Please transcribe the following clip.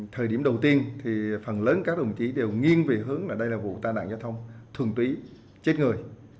thời điểm đầu tiên thì phần lớn các đồng chí đều nghiêng về hướng là đây là vụ tai nạn giao thông thường tí chết người